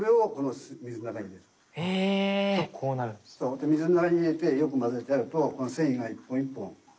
で水の中に入れてよく混ぜてやるとこの繊維が一本一本。